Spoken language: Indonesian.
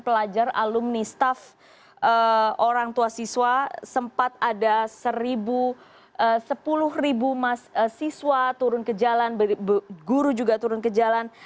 pelajar alumni staff orang tua siswa sempat ada sepuluh ribu mahasiswa turun ke jalan guru juga turun ke jalan